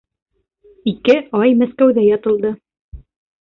Ике ай Мәскәүҙә ятылды.